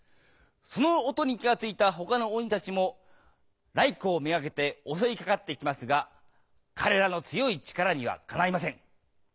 その音に気が付いたほかの鬼たちも頼光目がけて襲いかかってきますが彼らの強い力にはかないません。